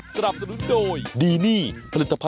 สวัสดีค่ะ